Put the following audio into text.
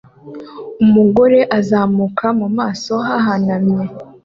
Umugore azamuka mu maso hahanamye